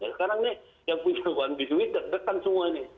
sekarang nih yang punya uang bisuit dek dekan semua nih